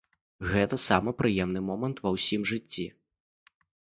Гэта самы прыемны момант ва ўсім жыцці!